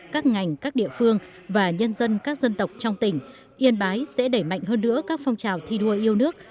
các ngành các địa phương và nhân dân các dân tộc trong tỉnh yên bái sẽ đẩy mạnh hơn nữa các phong trào thi đua yêu nước